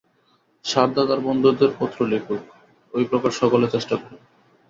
সারদা তার বন্ধুদের পত্র লিখুক, ঐ প্রকার সকলে চেষ্টা কর।